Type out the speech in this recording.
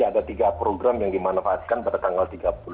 ada tiga program yang dimanfaatkan pada tanggal tiga puluh